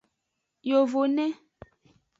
Yovone.